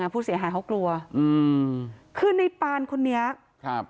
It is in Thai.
ไม่กลัวมันพิษศาษย์หายเขากลัวกืออืมคือในป่านคนนี้ครับ